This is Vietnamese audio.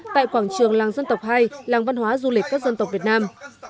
tại quảng trường làng dân tộc hai làng văn hóa du lịch các dân tộc việt nam